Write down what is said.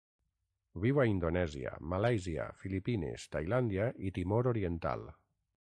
Viu a Indonèsia, Malàisia, Filipines, Tailàndia i Timor Oriental.